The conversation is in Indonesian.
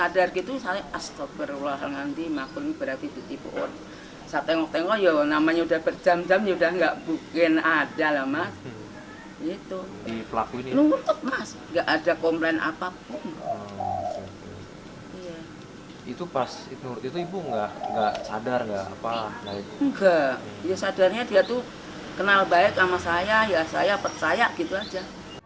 dia tuh kenal baik sama saya ya saya percaya gitu aja